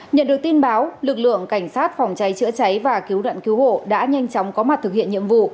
nhận được tin báo lực lượng cảnh sát phòng cháy chữa cháy và cứu nạn cứu hộ đã nhanh chóng có mặt thực hiện nhiệm vụ